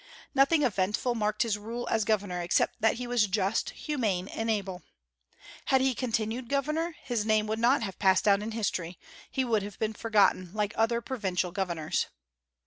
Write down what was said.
Nothing eventful marked his rule as governor, except that he was just, humane, and able. Had he continued governor, his name would not have passed down in history; he would have been forgotten like other provincial governors.